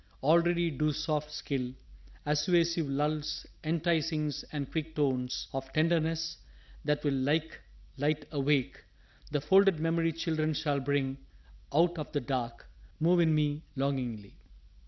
Already do soft skill, Assuasive lulls, enticings and quick tones Of tenderness that will like light awake The folded memory children shall bring Out of the dark move in me longingly.